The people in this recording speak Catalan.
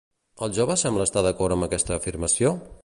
El jove sembla estar d'acord amb aquesta afirmació?